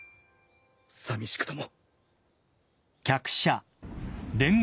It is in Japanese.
さみしくとも。